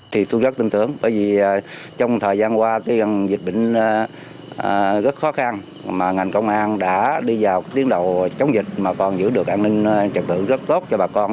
thì tôi rất tin tưởng bởi vì trong thời gian qua dịch bệnh rất khó khăn mà ngành công an đã đi vào tiến đầu chống dịch mà còn giữ được an ninh trật tự rất tốt cho bà con